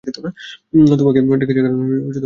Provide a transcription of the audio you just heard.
তোমাকে ডেকেছি কারণ তোমাকেও তলব করা হয়েছে।